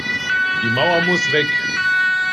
Die Mauer muss weg!